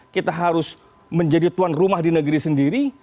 kita harus menjadi tuan rumah di negeri sendiri